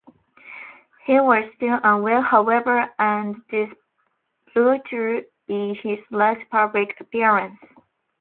He was still unwell, however, and this proved to be his last public appearance.